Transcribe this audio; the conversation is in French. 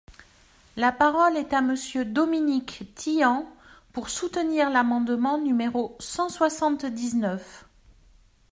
La parole est à Monsieur Dominique Tian, pour soutenir l’amendement numéro cent soixante-dix-neuf.